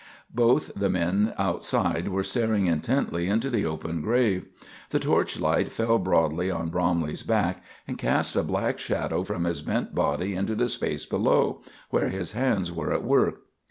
Both the men outside were staring intently into the open grave. The torch light fell broadly on Bromley's back, and cast a black shadow from his bent body into the space below, where his hands were at work.